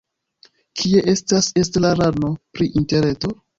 Kie estas estrarano pri interreto?